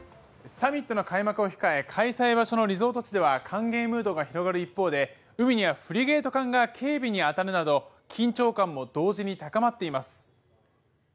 サミットの開幕を控え開催場所のリゾート地では歓迎ムードが広がる一方で海ではフリゲート艦が警備に当たるなど緊張感も同時に高まっています。